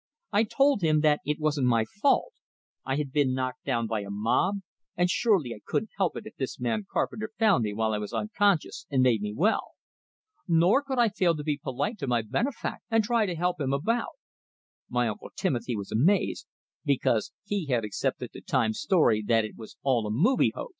I told him that it wasn't my fault I had been knocked down by a mob, and surely I couldn't help it if this man Carpenter found me while I was unconscious, and made me well. Nor could I fail to be polite to my benefactor, and try to help him about. My Uncle Timothy was amazed, because he had accepted the "Times" story that it was all a "movie" hoax.